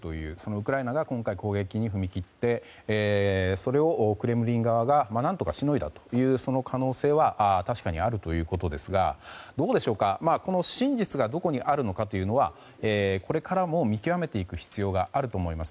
ウクライナが今回攻撃に踏み切ってそれをクレムリン側が何とかしのいだというその可能性は確かにあるということですがこの真実がどこにあるのかというのはこれからも見極めていく必要があると思います。